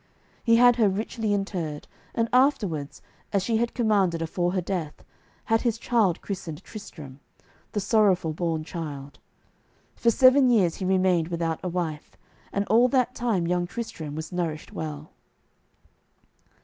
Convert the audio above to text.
He had her richly interred, and afterwards, as she had commanded afore her death, had his child christened Tristram, the sorrowful born child. For seven years he remained without a wife, and all that time young Tristram was nourished well.